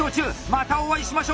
またお会いしましょう！